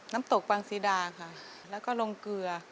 น้ำตกวังซีดาค่ะแล้วก็ลงเกลือ